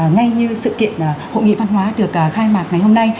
ngay như sự kiện hội nghị văn hóa được khai mạc ngày hôm nay